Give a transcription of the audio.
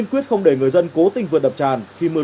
những việc nên làm